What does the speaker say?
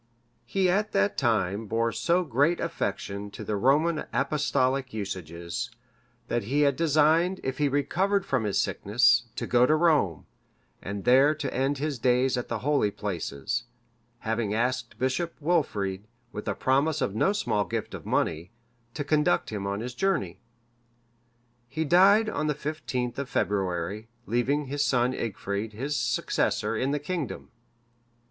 (562) He at that time bore so great affection to the Roman Apostolic usages, that he had designed, if he recovered from his sickness, to go to Rome, and there to end his days at the holy places, having asked Bishop Wilfrid, with a promise of no small gift of money, to conduct him on his journey. He died on the 15th of February, leaving his son Egfrid(563) his successor in the kingdom.